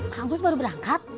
kang gus baru berangkat